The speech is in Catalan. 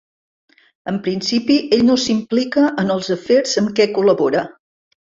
En principi ell no s'implica en els afers amb què col·labora.